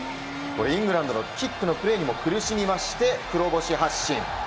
イングランドのキックのプレーにも苦しみまして黒星発進。